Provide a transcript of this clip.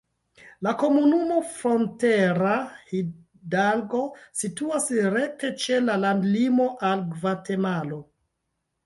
La komunumo Frontera Hidalgo situas rekte ĉe la landlimo al Gvatemalo.